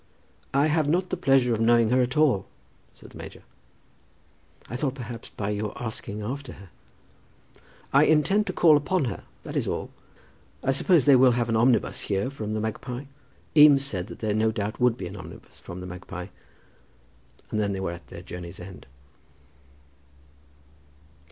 "I have not the pleasure of knowing her at all," said the major. "I thought, perhaps, by your asking after her " "I intend to call upon her, that is all. I suppose they will have an omnibus here from 'The Magpie?'" Eames said that there no doubt would be an omnibus from "The Magpie," and then they were at their journey's end.